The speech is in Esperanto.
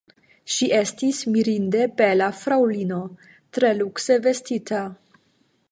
Ŝi estis mirinde bela fraŭlino, tre lukse vestita.